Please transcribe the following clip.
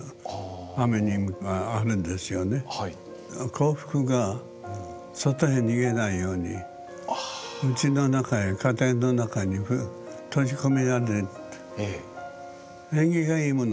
幸福が外へ逃げないようにうちの中へ家庭の中に閉じ込められると。